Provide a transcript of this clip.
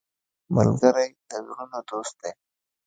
ملګری د زړونو دوست دی